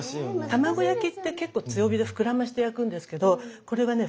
卵焼きって結構強火で膨らまして焼くんですけどこれはね